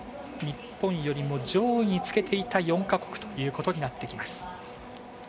日本よりも上位につけていた４か国ということになってきます。